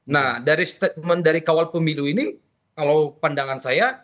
nah dari statement dari kawal pemilu ini kalau pandangan saya